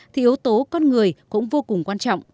thì yếu tố con người cũng vô cùng quan trọng